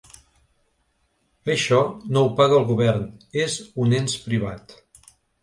Això no ho paga el govern, és un ens privat.